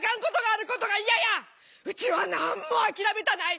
うちは何も諦めたない。